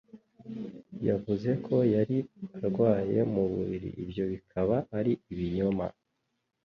Yavuze ko yari arwaye mu buriri, ibyo bikaba ari ibinyoma.